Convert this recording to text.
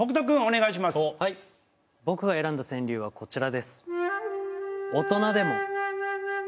僕が選んだ川柳は、こちらです。